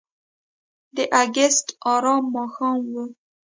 د اګست آرامه ماښام و.